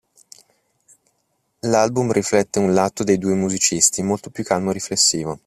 L'album riflette un lato dei due musicisti molto più calmo e riflessivo.